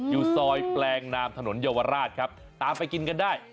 อยู่ซอยแปลงนามถนนเยาวราชครับตามไปกินกันได้